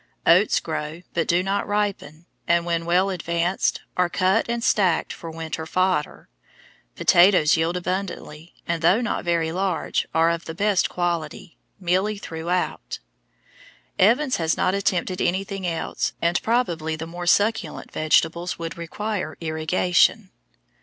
Oats grow, but do not ripen, and, when well advanced, are cut and stacked for winter fodder. Potatoes yield abundantly, and, though not very large, are of the best quality, mealy throughout. Evans has not attempted anything else, and probably the more succulent vegetables would require irrigation.